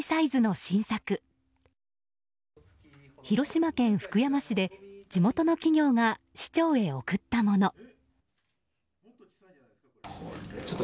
広島県福山市で地元の企業が市長へ贈ったもの。